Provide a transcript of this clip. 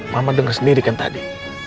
mama dengar sendiri kan tadi